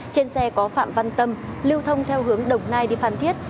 trên xe có phạm văn tâm lưu thông theo hướng đồng nai đi phan thiết